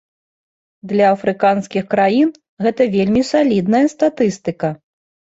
Для афрыканскіх краін гэта вельмі салідная статыстыка.